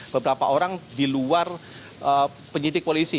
beberapa orang di luar penyidik polisi